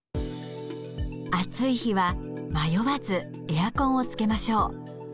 暑い日は迷わずエアコンをつけましょう。